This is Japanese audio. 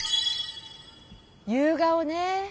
夕顔ね。